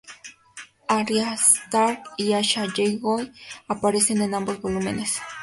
Arya Stark y Asha Greyjoy aparecen en ambos volúmenes.